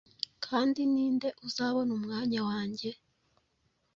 kandi ni nde uzabona umwanya wanjye?